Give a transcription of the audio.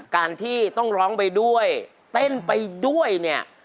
การที่ต้องร้องไปด้วยเต้นไปด้วยเนี่ย